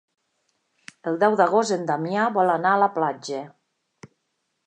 El deu d'agost en Damià vol anar a la platja.